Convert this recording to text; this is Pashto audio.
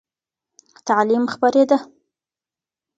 تعلیم خپرېده.